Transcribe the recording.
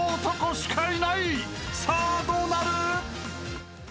さあどうなる！？］